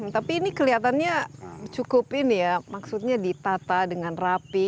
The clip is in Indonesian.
tapi ini kelihatannya cukup ini ya maksudnya ditata dengan rapi